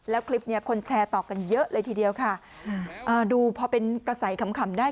แล้วคลิปเนี้ยคนแชร์ต่อกันเยอะเลยทีเดียวค่ะอ่าดูพอเป็นกระแสขำขำได้